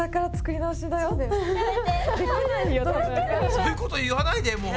そういうこと言わないでもう。